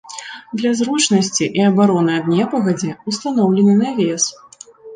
Для зручнасці і абароны ад непагадзі ўстаноўлены навес.